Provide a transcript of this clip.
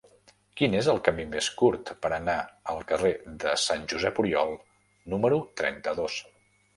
Quin és el camí més curt per anar al carrer de Sant Josep Oriol número trenta-dos?